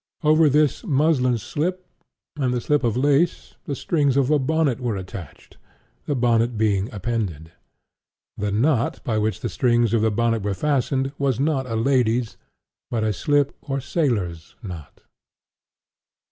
Over this muslin slip and the slip of lace, the strings of a bonnet were attached; the bonnet being appended. The knot by which the strings of the bonnet were fastened, was not a lady's, but a slip or sailor's knot.